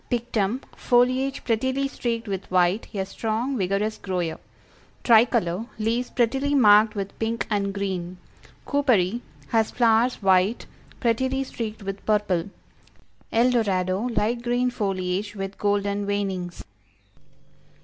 Pictum, foliage prettily streaked with white, a strong, vigorous grower; Tricolor, leaves prettily marked with pink and green; Cooperi, has flowers white, prettily streaked with purple; El Dorado, light green foliage, with golden veinings.